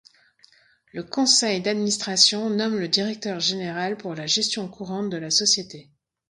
Le conseil d’administration nomme le Directeur Général pour la gestion courante de la société.